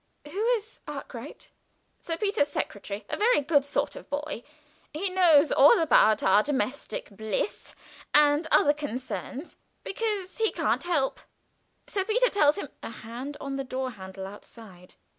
"Who is Arkwright?" "Sir Peter's secretary a very good sort of boy. He knows all about our domestic bliss and other concerns because he can't help. Sir Peter tells him " A hand on the door handle outside.